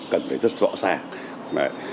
cần phải rất rõ ràng